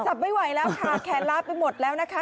จับไม่ไหวแล้วค่ะแขนล้าไปหมดแล้วนะคะ